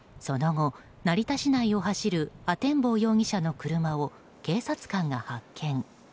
その後、成田市内を走る阿天坊容疑者の車を警察官が発見。